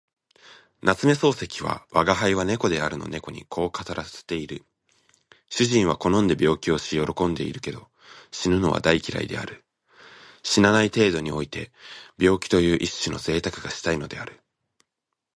夏目漱石は吾輩は猫であるの猫にこう語らせている。主人は好んで病気をし喜んでいるけど、死ぬのは大嫌いである。死なない程度において病気という一種の贅沢がしたいのである。